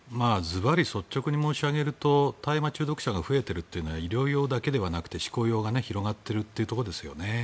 率直に申し上げると大麻中毒者が増えているというのは医療用だけではなく嗜好用が広がっているということですよね。